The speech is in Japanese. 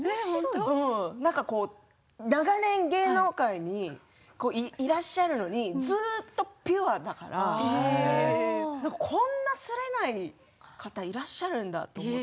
長年、芸能界にいらっしゃるのにずっとピュアだからこんなすれない方いらっしゃるんだと思って。